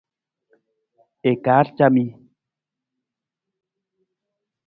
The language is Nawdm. I kaar camii.